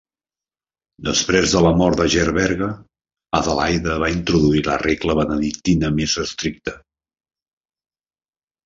Després de la mort de Gerberga, Adelaide va introduir la regla benedictina més estricta.